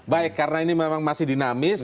baik karena ini memang masih dinamis